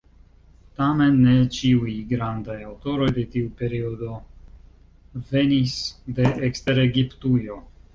Tamen ne ĉiuj grandaj aŭtoroj de tiu periodo venis de ekster Egiptujo.